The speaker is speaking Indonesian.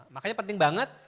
makanya penting banget